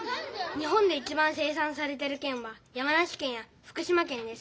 日本でいちばん生さんされてるけんは山梨けんや福島けんです。